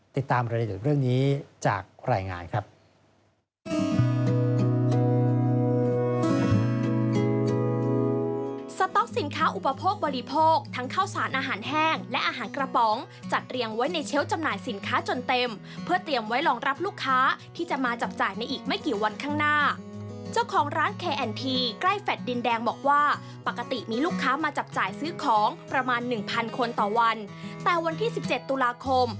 ติดตามรายละเอียดเรื่องนี้จากรายงานครับ